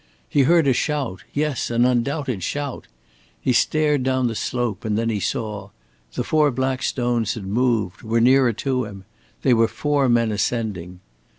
He heard a shout yes, an undoubted shout. He stared down the slope and then he saw. The four black stones had moved, were nearer to him they were four men ascending.